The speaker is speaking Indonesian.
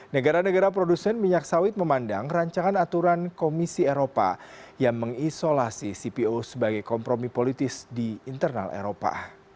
negara negara produsen minyak sawit memandang rancangan aturan komisi eropa yang mengisolasi cpo sebagai kompromi politis di internal eropa